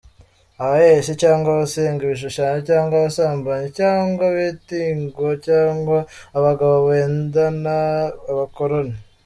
Abahehesi cyangwa abasenga ibishushanyo cyangwa abasambanyi, cyangwa ibitingwa cyangwa abagabo bendana… » Abakorinto :.